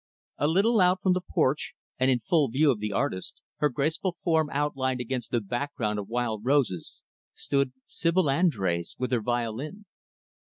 A little out from the porch, and in full view of the artist, her graceful form outlined against the background of wild roses, stood Sibyl Andrés with her violin.